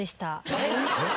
えっ？